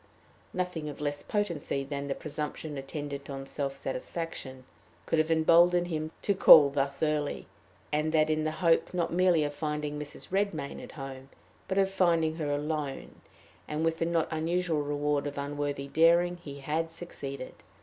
Nothing of less potency than the presumption attendant on self satisfaction could have emboldened him to call thus early, and that in the hope not merely of finding Mrs. Redmain at home, but of finding her alone; and, with the not unusual reward of unworthy daring, he had succeeded.